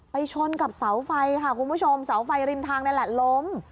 ชนกับเสาไฟค่ะคุณผู้ชมเสาไฟริมทางนั่นแหละล้ม